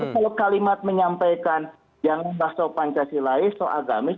kalau kalimat menyampaikan yang bahasa pancasila itu agamis